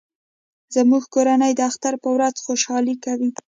زموږ کورنۍ د اختر په ورځ خوشحالي کوي